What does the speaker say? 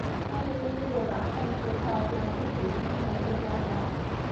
它是第一个把汉字化作电子讯号的编码表。